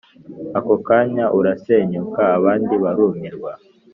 akokanya urasenyuka abandi barumirwa